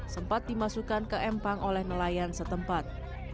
sempat dimasukkan ke empang oleh nelayan setempat